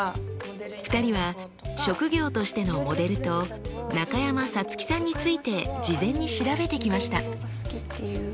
２人は職業としての「モデル」と中山咲月さんについて事前に調べてきました。